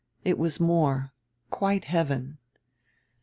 It was more, quite heaven.